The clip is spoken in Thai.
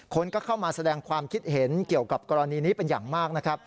คนก็เข้ามาแสดงความคิดเห็นเกี่ยวกับกรณีนี้เป็นอย่างมากนะครับ